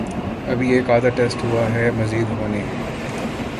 اب ایک آدھ ٹیسٹ ہوا ہے، مزید ہونے ہیں۔